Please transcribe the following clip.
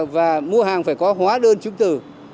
và mua hàng phải có hóa đơn chứng từ